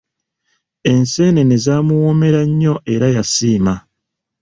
Enseenene zaamuwoomera nnyo era yasiima.